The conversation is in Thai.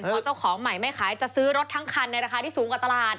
พอเจ้าของใหม่ไม่ขายจะซื้อรถทั้งคันในราคาที่สูงกว่าตลาด